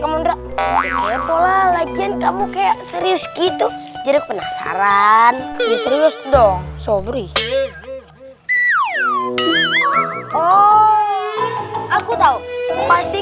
kamundra pola latihan kamu kayak serius gitu jadi penasaran ya serius dong sobri oh aku tahu pasti